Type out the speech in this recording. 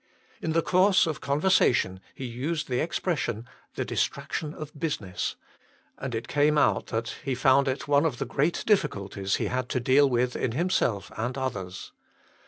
In the course of conversation he used the expression " the distraction of business," and it came out that he found it one of the great difficulties he had to deal with in himself and others.